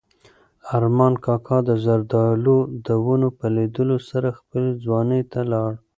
ارمان کاکا د زردالو د ونو په لیدلو سره خپلې ځوانۍ ته لاړ.